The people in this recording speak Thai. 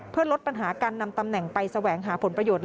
เพื่อลดปัญหาการนำตำแหน่งไปแสวงหาผลประโยชน์